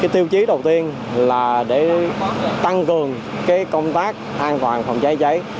tiêu chí đầu tiên là để tăng cường công tác an toàn phòng cháy cháy